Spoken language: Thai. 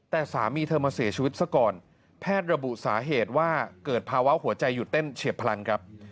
แต่สามีเธอมาเสียชีวิตซะก่อนแพทย์ระบุสาเหตุว่าเกิดภาวะหัวใจหยุดเต้นเฉียบพลังครับ